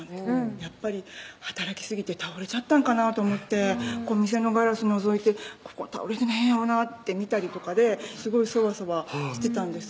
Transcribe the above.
やっぱり働きすぎて倒れちゃったんかなと思ってお店のガラスのぞいてここに倒れてへんやろなって見たりとかですごいソワソワしてたんです